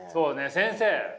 先生